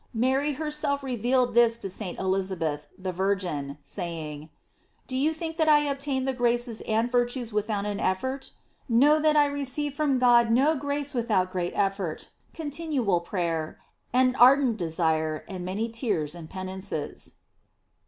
Mary herself revealed this to St. Elizabeth, the virgin, saying: "Do you think that I obtained the graces and virtues without an ef fort? Know that I received from God no grace without great effort, continual prayer, an ardent desire, and many tears and penances."